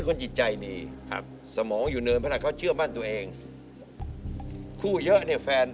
แฟนเยอะเนี่ยแฟน